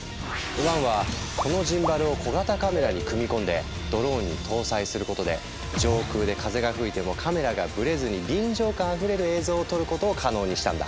ワンはこのジンバルを小型カメラに組み込んでドローンに搭載することで上空で風が吹いてもカメラがブレずに臨場感あふれる映像を撮ることを可能にしたんだ。